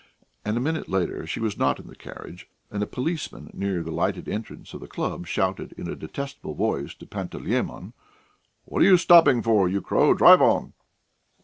And a minute later she was not in the carriage, and a policeman near the lighted entrance of the club shouted in a detestable voice to Panteleimon: "What are you stopping for, you crow? Drive on."